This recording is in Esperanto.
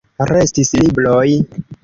Restis libroj.